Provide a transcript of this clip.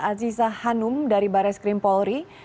aziza hanum dari barai skrim polri